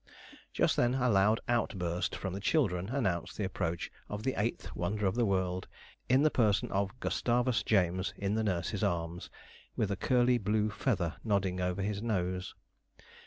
Just then a loud outburst from the children announced the approach of the eighth wonder of the world, in the person of Gustavus James in the nurse's arms, with a curly blue feather nodding over his nose.